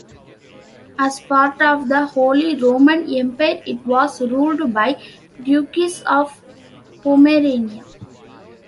As part of the Holy Roman Empire it was ruled by Dukes of Pomerania.